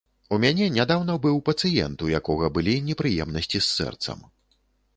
У мяне нядаўна быў пацыент, у якога былі непрыемнасці з сэрцам.